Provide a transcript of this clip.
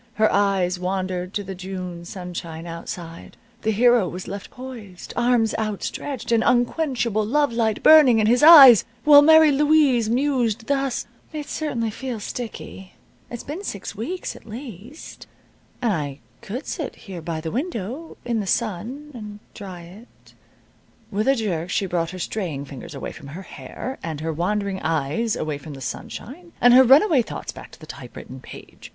Her eyes wandered to the June sunshine outside. The hero was left poised, arms outstretched, and unquenchable love light burning in his eyes, while Mary Louise mused, thus: "It certainly feels sticky. It's been six weeks, at least. And I could sit here by the window in the sun and dry it " With a jerk she brought her straying fingers away from her hair, and her wandering eyes away from the sunshine, and her runaway thoughts back to the typewritten page.